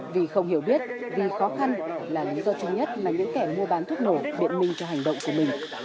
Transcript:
vì không hiểu biết vì khó khăn là lý do chung nhất mà những kẻ mua bán thuốc nổ biện minh cho hành động của mình